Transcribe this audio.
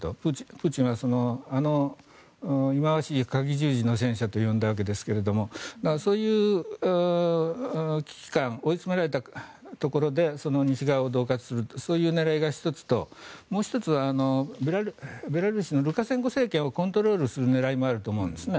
プーチンは、あの忌まわしいかぎ十字の戦車と呼んだわけですがそういう危機感追い詰められたところで西側をどう喝する狙いが１つともう１つはベラルーシのルカシェンコ政権をコントロールする狙いもあると思うんです。